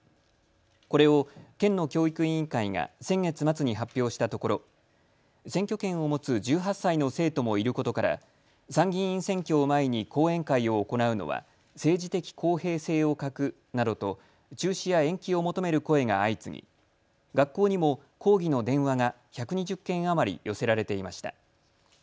これを県の教育委員会が先月末に発表したところ選挙権を持つ１８歳の生徒もいることから、参議院選挙を前に講演会を行うのは政治的公平性を欠くなどと中止や延期を求める声が相次ぎ学校にも抗議の電話が１２０件余り寄せられていました。